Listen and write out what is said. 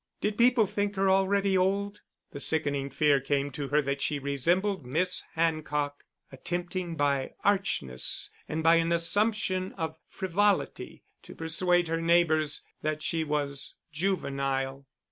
Did people think her already old? The sickening fear came to her that she resembled Miss Hancock, attempting by archness and by an assumption of frivolity, to persuade her neighbours that she was juvenile.